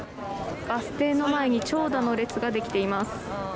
バス停の前に長蛇の列ができています。